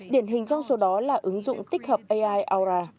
điển hình trong số đó là ứng dụng tích hợp ai aura